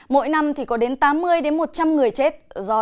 mỗi năm có đến tám mươi một trăm linh người chết